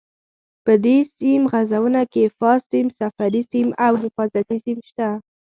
په دې سیم غځونه کې فاز سیم، صفري سیم او حفاظتي سیم شته.